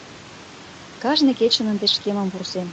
Кажне кечын ынде шкемым вурсем;